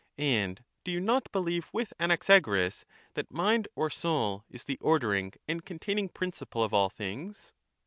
And do you not believe with Anaxagoras, that mind or soul is the ordering and containing principle of all things?